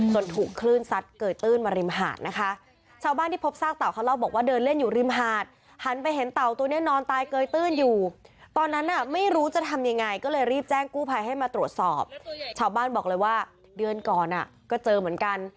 ชาวบ้านบอกเลยว่าเดือนก่อนก็เจอเหมือนกัน